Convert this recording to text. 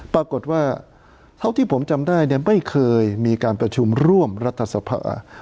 ปรากฏว่าเท่าที่ผมจำได้เนี่ยไม่เคยมีการประชุมร่วมรัฐสภา